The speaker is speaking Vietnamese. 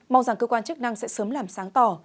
mong rằng cơ quan chức năng sẽ sớm làm sáng tỏ